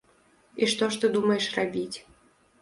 І што ж ты думаеш рабіць?